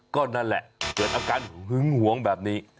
ก็นั่นแหละเกิดอาการหึงหวงแบบนี้